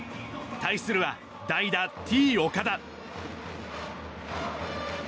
対するは代打、Ｔ‐岡田